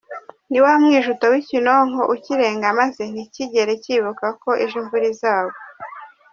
Ni wa mwijuto w’ikinonko, ukirenga maze ntikigere kibuka ko ejo imvura izagwa!